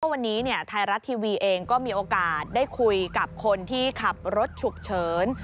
วันนี้ไทยรัฐทีวีเองก็มีโอกาสได้คุยกับคนที่ขับรถฉุกเฉิน